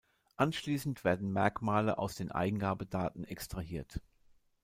Anschließend werden Merkmale aus den Eingabedaten extrahiert.